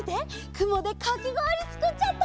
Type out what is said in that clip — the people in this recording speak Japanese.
くもでかきごおりつくっちゃった！